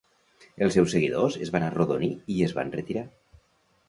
Els seus seguidors es van arrodonir i es van retirar.